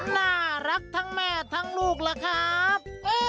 น่ารักทั้งแม่ทั้งลูกล่ะครับ